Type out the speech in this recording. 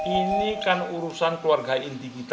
ini kan urusan keluarga inti kita